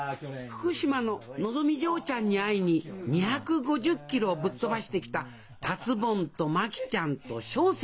福島ののぞみ嬢ちゃんに会いに２５０キロをぶっ飛ばしてきた達ぼんと真紀ちゃんと小生でありました